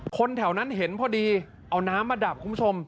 คนแถวนั้นเห็นพอดีเอาน้ำมาดับคุณผู้ชม